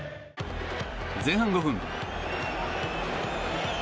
前半５分。